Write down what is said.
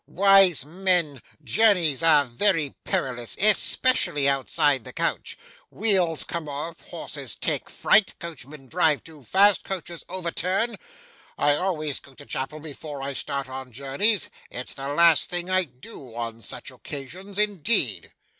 Wise men! journeys are very perilous especially outside the coach. Wheels come off, horses take fright, coachmen drive too fast, coaches overturn. I always go to chapel before I start on journeys. It's the last thing I do on such occasions, indeed.